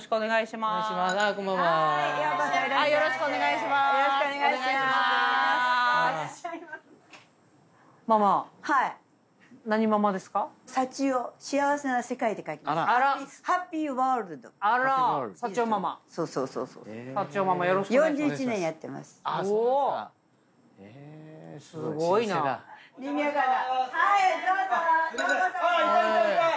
いたいたいた。